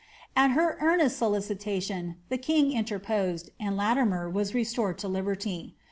At her earnest solicitation the king inter posed, and Latimer was restored to liberty.